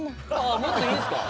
あもっといいんすか？